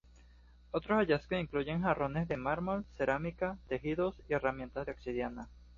Otros hallazgos incluyen jarrones de mármol, cerámica, tejidos y herramientas de obsidiana.